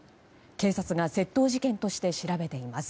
警察が窃盗事件として調べています。